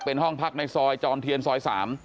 เป็นห้องพักในซอยจอมเทียนซอย๓